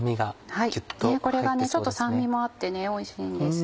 これがちょっと酸味もあっておいしいんです。